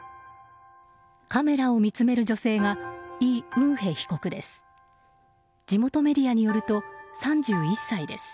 カメラを見つめる女性がイ・ウンヘ被告です。